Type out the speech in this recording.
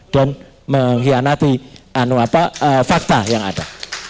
dan mengkhianati fakta yang ada